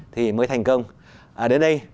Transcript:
thì mới thành công đến đây